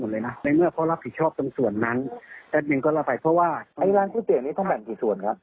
ร้านที่เจ๋งนี่ก็แบ่งที่ส่วนครับ